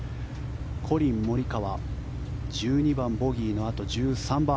コリン・モリカワ、１２番ボギーのあと１３番。